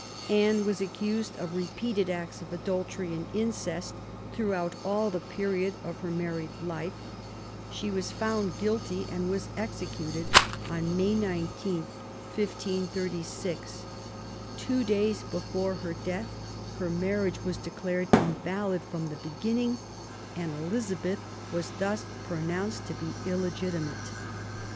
Anne was accused of repeated acts of adultery and incest, throughout all the period of her married life. She was found guilty and was executed on May 19, 1536. Two days before her death her marriage was declared invalid from the beginning, and Elizabeth was thus pronounced to be illegitimate.